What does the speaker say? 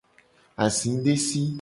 Azidesi.